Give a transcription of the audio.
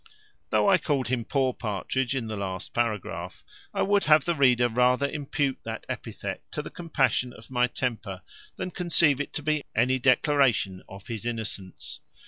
Though I called him poor Partridge in the last paragraph, I would have the reader rather impute that epithet to the compassion in my temper than conceive it to be any declaration of his innocence.